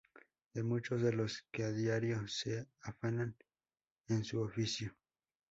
de muchos de los que a diario se afanan en su oficio